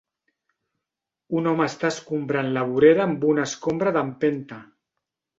Un home està escombrant la vorera amb una escombra d'empenta.